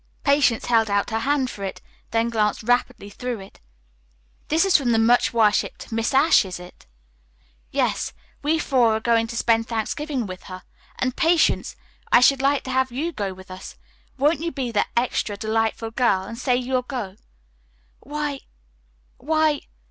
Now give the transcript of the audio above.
Patience held out her hand for it, then glanced rapidly through it. "This is from the much worshipped Miss Ashe, isn't it?" "Yes. We four are going to spend Thanksgiving with her, and, Patience, I should like to have you go with us. Won't you please be the 'extra delightful girl' and say you'll go?" "Why why!"